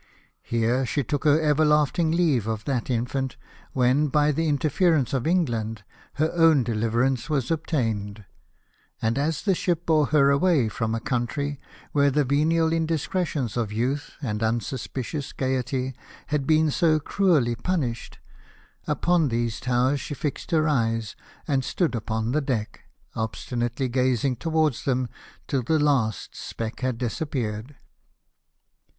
Here she took her everlastmg leave of that infant, ^vhen, by the interference of England, her own deliverance was ob tained ; and as the ship bore her away from a country where the venial indiscretions of youth and unsus picious gaiety had been so cruelly punished, upon 222 LIFE OF NELSON. these towers she fixed her eyes, and stood upon the deck, obstinately gazing towards them till the last speck had disappeared.